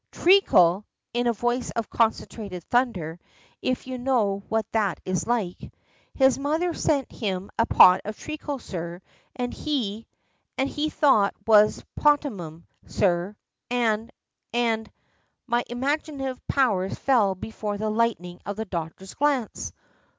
"Treacle!" in a voice of concentrated thunder, if you know what that is like. "His mother sent him a pot of treacle, sir, and he and he thought it was pomatum, sir, and and " my imaginative powers fell before the lightning of the doctor's glance.